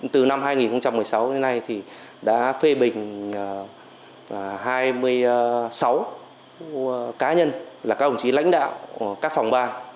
từ năm hai nghìn một mươi sáu đến nay thì đã phê bình hai mươi sáu cá nhân là các đồng chí lãnh đạo các phòng ban